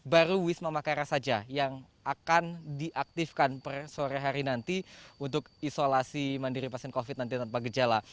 baru wisma makara saja yang akan diaktifkan per sore hari nanti untuk isolasi mandiri pasien covid sembilan belas tanpa gejala